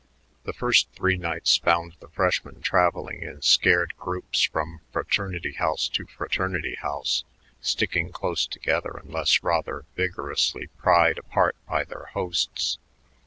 The first three nights found the freshmen traveling in scared groups from fraternity house to fraternity house, sticking close together unless rather vigorously pried apart by their hosts.